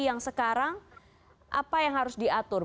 yang sekarang apa yang harus diatur